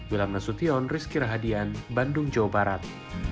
wilam nasution rizky rahadian bandung jawa barat